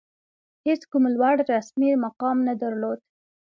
هېڅ کوم لوړ رسمي مقام نه درلود.